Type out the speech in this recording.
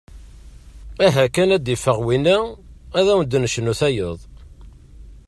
Aha kan ad yeffeɣ winna ad awen-d-necnu tayeḍ.